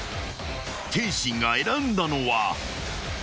［天心が選んだのは］